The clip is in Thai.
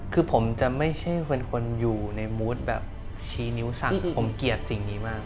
คือผมจะไม่ใช่เป็นคนอยู่ในมูธแบบชี้นิ้วสั่งผมเกลียดสิ่งนี้มาก